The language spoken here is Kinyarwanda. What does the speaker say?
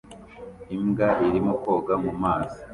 imbwa irimo koga mu mazi